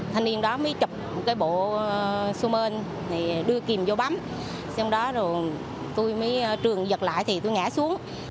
thân niên đó mới chụp cái bộ xô mơn thì đưa kìm vô bấm xong đó rồi tôi mới trường giật lại thì tôi ngã xuống